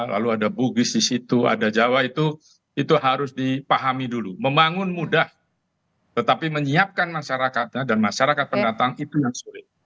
lalu ada bugis di situ ada jawa itu harus dipahami dulu membangun mudah tetapi menyiapkan masyarakatnya dan masyarakat pendatang itu yang sulit